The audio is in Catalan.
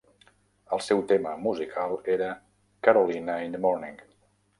El seu tema musical era "Carolina in the Morning".